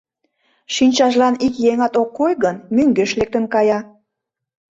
Шинчажлан ик еҥат ок кой гын, мӧҥгеш лектын кая.